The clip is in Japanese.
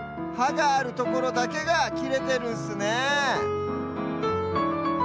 があるところだけがきれてるんすねえ